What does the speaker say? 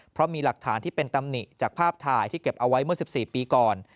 เพราะมีหลักฐานที่เป็นตำหนิจากภาพถ่ายที่เก็บเอาไว้เมื่อ๑๔ปีก่อน